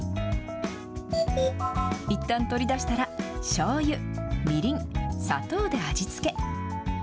いったん取り出したら、しょうゆ、みりん、砂糖で味付け。